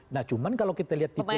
nah cuman kalau kita lihat tipe